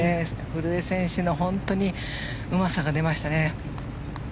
古江選手のうまさが出ましたね。